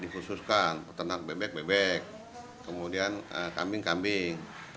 dikhususkan peternak bebek bebek kemudian kambing kambing